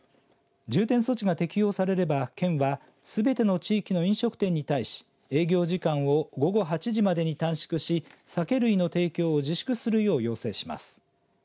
重点措置が適用されれば、県はすべての地域の飲食店に対し営業時間を午後８時までに短縮し酒類の提供を自粛するよう要請します。